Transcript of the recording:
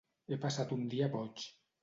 He passat un dia boig.